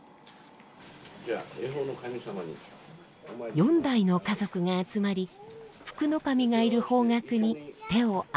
４代の家族が集まり福の神がいる方角に手を合わせます。